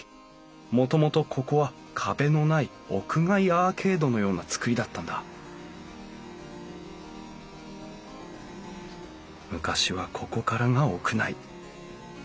もともとここは壁のない屋外アーケードのような造りだったんだ昔はここからが屋内。